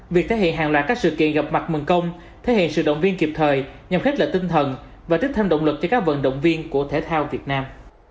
việc thể hiện hàng loạt các sự kiện gặp mặt mừng công thể hiện sự động viên kịp thời nhằm khích lệ tinh thần và tiếp thêm động lực cho các vận động viên của thể thao việt nam